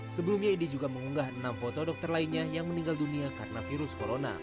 sebelumnya edi juga mengunggah enam foto dokter lainnya yang meninggal dunia karena virus corona